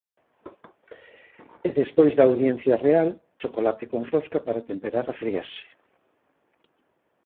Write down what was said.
E despois da audiencia real, chocolate con rosca para temperar a friaxe.